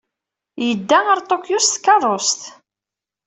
Yedda ɣer Kyoto s tkeṛṛust.